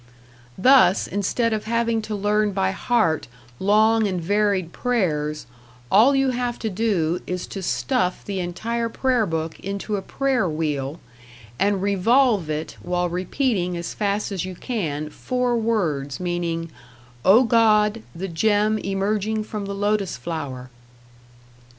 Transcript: Thus instead of having to learn by heart long and varied prayers, all you have to do is to stuff the entire prayer book into a prayer wheel, and revolve it while repeating as fast as you can four words meaning, "O God, the gem emerging from the lotus flower."